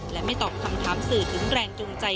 และไม่ตอบคำถามสื่อถึงแรงจูงใจ